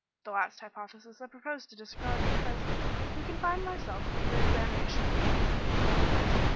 "The last hypothesis I propose to disregard for the present and confine myself to the examination of the other three."